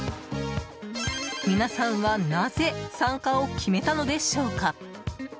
皆さんはなぜ参加を決めたのでしょうか？